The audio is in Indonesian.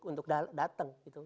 untuk datang gitu